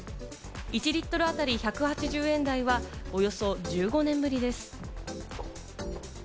１リットルあたり１８０円台は、およそ１５年ぶりです。